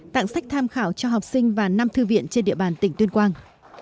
tặng sách tham khảo cho học sinh và năm thư viện trên địa bàn tỉnh tuyên quang